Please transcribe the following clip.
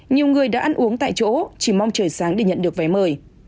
nhiều người đã ăn uống tại chỗ chỉ mong trời sáng để nhận được vé mời